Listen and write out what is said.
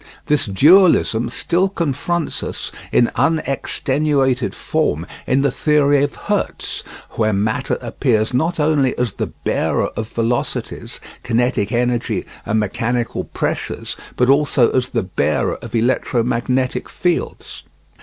This dualism still confronts us in unextenuated form in the theory of Hertz, where matter appears not only as the bearer of velocities, kinetic energy, and mechanical pressures, but also as the bearer of electromagnetic fields.